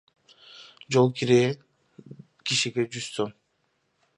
Жол кире бир кишиге жүз сом.